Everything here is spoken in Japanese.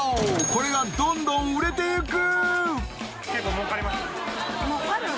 これがどんどん売れていく！